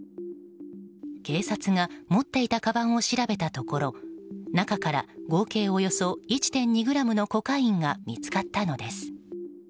警察が持っていたかばんを調べたところ中から合計およそ１．２ｇのコカインが見つかったのです。